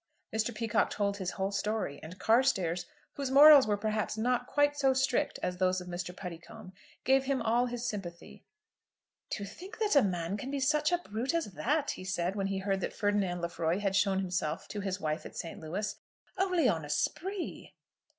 Mr. Peacocke told his whole story, and Carstairs, whose morals were perhaps not quite so strict as those of Mr. Puddicombe, gave him all his sympathy. "To think that a man can be such a brute as that," he said, when he heard that Ferdinand Lefroy had shown himself to his wife at St. Louis, "only on a spree."